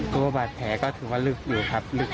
ตัวบ่ะเถียวคือที่มะลึกอยู่เลย